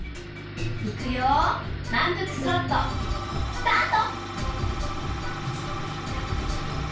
いくよまんぷくスロットスタート！